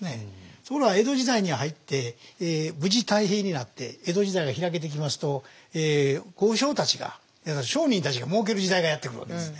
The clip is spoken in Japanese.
ところが江戸時代に入って無事太平になって江戸時代が開けてきますと豪商たちが商人たちがもうける時代がやって来るわけですね。